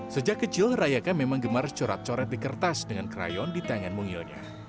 sejak kecil rayaka memang gemar corak coret di kertas dengan krayon di tangan mungilnya